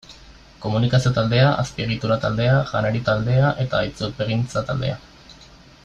Komunikazio taldea, Azpiegitura taldea, Janari taldea eta Itzulpengintza taldea.